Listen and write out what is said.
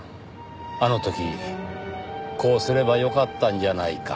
あの時こうすればよかったんじゃないか。